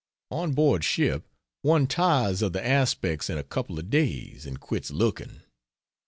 On board ship one tires of the aspects in a couple of days, and quits looking.